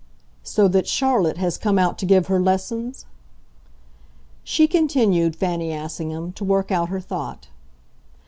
"So that Charlotte has come out to give her lessons?" She continued, Fanny Assingham, to work out her thought.